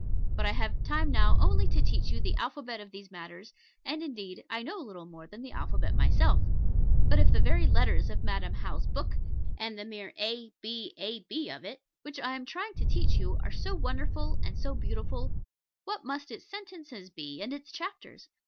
But I have time now only to teach you the alphabet of these matters and, indeed, I know little more than the alphabet myself; but if the very letters of Madam How's book, and the mere A, B, AB, of it, which I am trying to teach you, are so wonderful and so beautiful, what must its sentences be and its chapters?